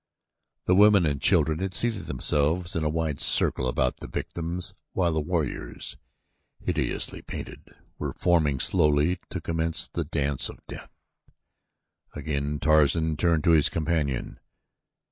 The women and children had seated themselves in a wide circle about the victims while the warriors, hideously painted, were forming slowly to commence the dance of death. Again Tarzan turned to his companion.